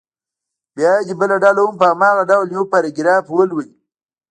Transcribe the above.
بیا دې بله ډله هم په هماغه ډول یو پاراګراف ولولي.